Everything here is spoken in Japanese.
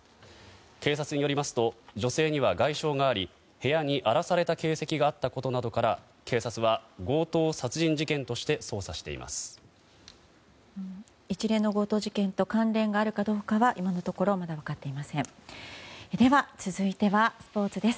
警察によりますと女性には外傷があり部屋に荒らされた形跡があったことなどから警察は強盗殺人事件として捜査しています。